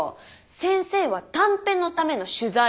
先生は短編のための取材。